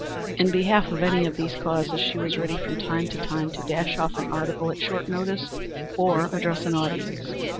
In behalf of any of these causes she was ready from time to time to dash off an article at short notice or address an audience.